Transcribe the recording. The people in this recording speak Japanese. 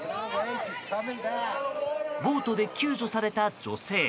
ボートで救助された女性。